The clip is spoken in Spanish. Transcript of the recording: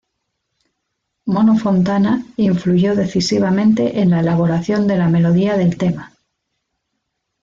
Mono Fontana influyó decisivamente en la elaboración de la melodía del tema.